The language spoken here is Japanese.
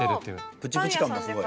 プチプチ感がすごい。